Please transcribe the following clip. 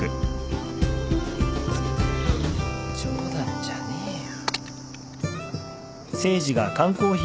冗談じゃねえよ。